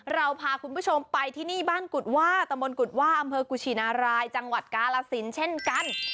เราพาคุณผู้ชมไปที่นี่บ้านกุฎว่าตะมนตกุฎว่าอำเภอกุชินารายจังหวัดกาลสินเช่นกัน